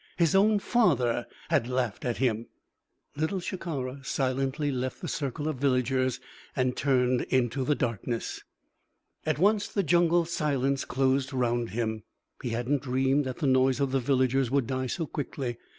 His own father had laughed at him. Little Shikara silently left the circle of villagers and turned into the darkness. At once the jungle silence closed round him. He hadn't dreamed that the noise of the villagers would die so quickly.